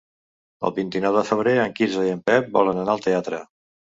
El vint-i-nou de febrer en Quirze i en Pep volen anar al teatre.